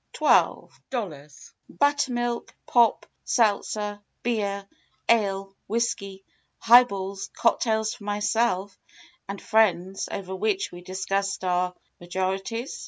12 00 Buttermilk, pop, seltzer, beer, ale, whiskey, high balls, cocktails for myself and friends; over which we discussed our majorities